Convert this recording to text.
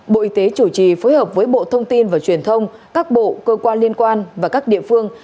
bộ y tế chủ trì phối hợp với bộ thông tin và truyền thông các bộ cơ quan liên quan và các địa phương